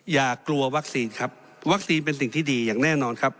อย่ากลัววัคซีนครับวัคซีนเป็นสิ่งที่ดีอย่างแน่นอนครับ